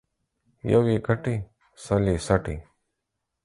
يو يې گټي ، سل يې څټي.